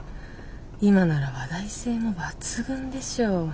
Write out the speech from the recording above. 今なら話題性も抜群でしょ。